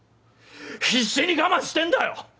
必死に我慢してんだよ！